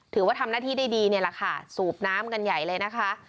ถือว่าทำหน้าที่ได้ดีนี่แหละค่ะสูบน้ำกันใหญ่เลยนะคะ